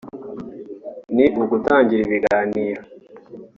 ni ugutangiza ibiganiro